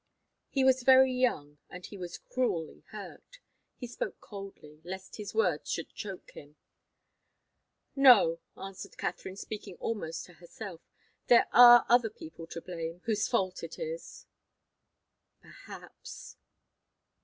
He was very young, and he was cruelly hurt. He spoke coldly, lest his words should choke him. "No," answered Katharine, speaking almost to herself, "there are other people to blame, whose fault it is." "Perhaps."